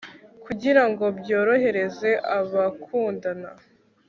kugira ngo byorohereze abakundana